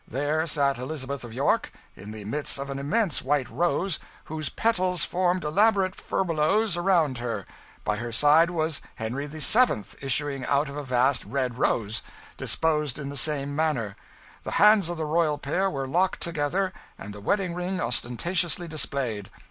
There sat Elizabeth of York in the midst of an immense white rose, whose petals formed elaborate furbelows around her; by her side was Henry VII., issuing out of a vast red rose, disposed in the same manner: the hands of the royal pair were locked together, and the wedding ring ostentatiously displayed.